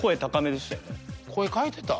声変えてた？